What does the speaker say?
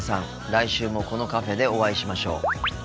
来週もこのカフェでお会いしましょう。